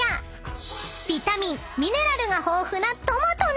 ［ビタミンミネラルが豊富な］